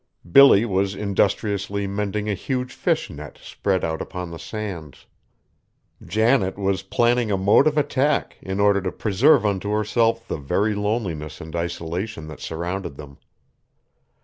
Billy was industriously mending a huge fish net spread out upon the sands. Janet was planning a mode of attack, in order to preserve unto herself the very loneliness and isolation that surrounded them.